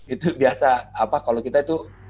itu biasa apa kalau kita itu